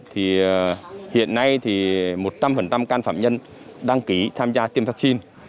hiện nay một trăm linh can phạm nhân đăng ký tham gia tiêm vaccine